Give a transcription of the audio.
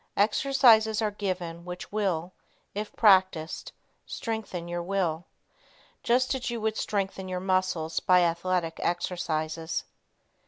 Exercises are given which will, if practiced, strengthen your will, just as you would strengthen your muscles by athletic exercises.